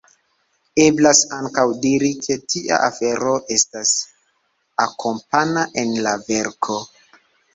Eblas ankaŭ diri ke tia afero estas “akompana” en la verko.